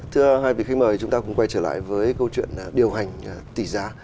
thưa hai vị khách mời chúng ta cũng quay trở lại với câu chuyện điều hành tỷ giá